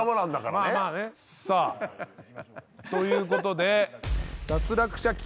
さあということで。